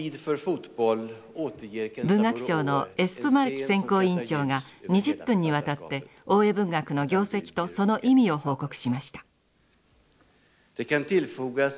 文学賞のエスプマルキ選考委員長が２０分にわたって大江文学の業績とその意味を報告しました。